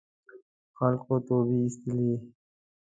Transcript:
خلکو توبې اېستلې.